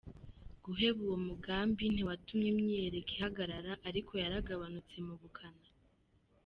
Guheba uwo mugambi ntiwatumye imyiyerekano ihagarara, ariko yaragabanutse mu bukana.